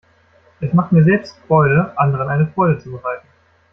Es macht mir selbst Freude, anderen eine Freude zu bereiten.